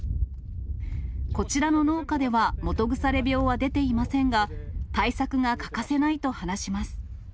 こちらの農家では、基腐病は出ていませんが、対策が欠かせないと話します。